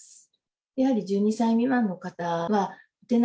やはり１２歳未満の方は、打てな